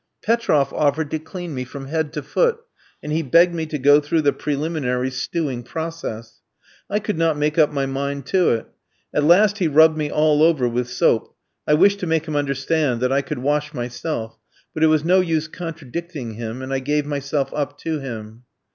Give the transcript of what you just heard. Petroff offered to clean me from head to foot, and he begged me to go through the preliminary stewing process. I could not make up my mind to it. At last he rubbed me all over with soap. I wished to make him understand that I could wash myself, but it was no use contradicting him and I gave myself up to him.